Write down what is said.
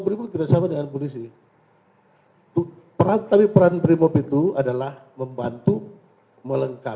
ini senjatanya ini bawahnya